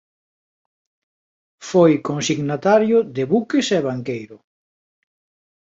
Foi consignatario de buques e banqueiro.